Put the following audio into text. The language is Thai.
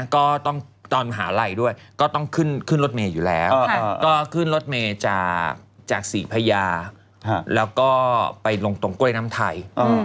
ก็ต้องตอนมหาลัยด้วยก็ต้องขึ้นรถเมย์อยู่แล้วก็ขึ้นรถเมย์จากศรีพญาแล้วก็ไปลงตรงกล้วยน้ำไทย